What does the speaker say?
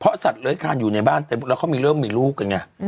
เพราะสัตว์เล้ยคานอยู่ในบ้านแต่แล้วเขามีเรื่องมีลูกอย่างนี้